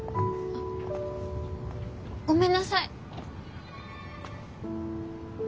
あごめんなさい。